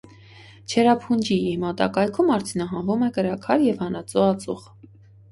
Չերապունջիյի մոտակայքում արդյունահանվում է կրաքար և հանածո ածուխ։